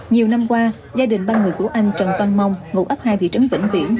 nhiều năm qua gia đình ba người của anh trần tân mông ngụ ấp hai thị trấn vĩnh viễn